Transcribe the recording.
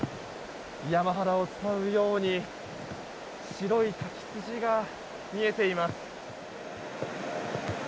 山肌を伝うように白い滝筋が見えています。